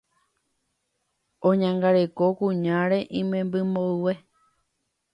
oñangareko kuñáre imemby mboyve